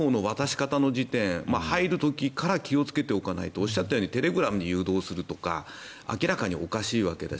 ただ個人情報の渡し方の時点入る時から気をつけておかないとおっしゃったようにテレグラムに誘導するとか明らかにおかしいわけだし。